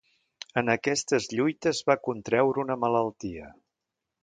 En aquestes lluites va contreure una malaltia.